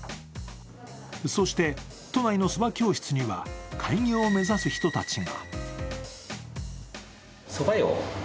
そして、都内のそば教室には、開業を目指す人たちが。